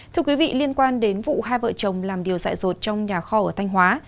thưa quý vị liên quan đến vụ hai vợ chồng làm điều dạ rột trong nhà kho ở thanh hóa